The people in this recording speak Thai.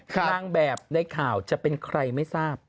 นางแบบในข่าวจะเป็นใครไม่ทราบ